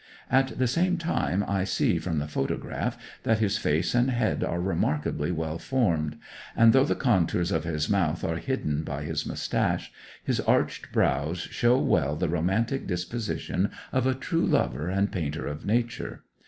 At the same time, I see from the photograph that his face and head are remarkably well formed; and though the contours of his mouth are hidden by his moustache, his arched brows show well the romantic disposition of a true lover and painter of Nature.